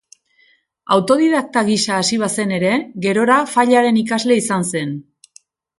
Autodidakta gisa hasi bazen ere, gerora Fallaren ikasle izan zen.